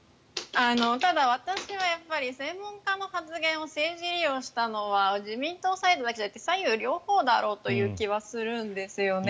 ただ、私はやっぱり専門家の発言を政治利用したのは自民党サイドだけじゃなくて左右両方だろうという気はするんですよね。